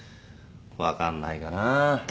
分かんないかなあ。